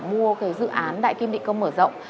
mua dự án đại kim định công mở rộng